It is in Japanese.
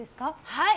はい。